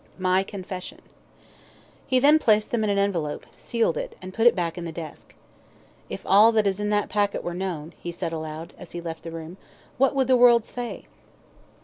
"My Confession." He then placed them in an envelope, sealed it, and put it back in the desk. "If all that is in that packet were known," he said aloud, as he left the room, "what would the world say?"